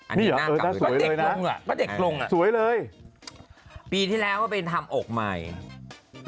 อันนี้ดีนะเสียใจหลาเจ็บลงสวยเลยปีที่แล้วมาไปน่ารัก